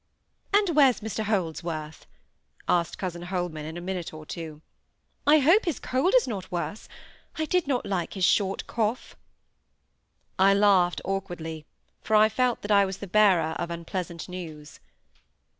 "And where's Mr Holdsworth?" asked cousin Holman, in a minute or two. "I hope his cold is not worse,—I did not like his short cough." I laughed awkwardly; for I felt that I was the bearer of unpleasant news.